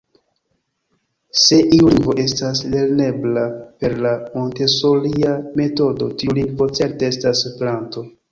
Se iu lingvo estas lernebla per la Montesoria metodo, tiu lingvo certe estas Esperanto.